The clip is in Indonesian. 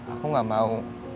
aku gak mau